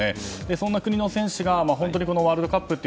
その国の選手がワールドカップの